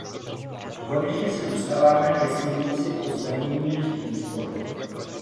A konečně se dostávám ke směrnici o zdanění úspor.